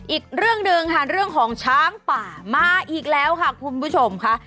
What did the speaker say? อีกเรื่องหนึ่งค่ะเรื่องของช้างป่ามาอีกแล้วค่ะคุณผู้ชมค่ะ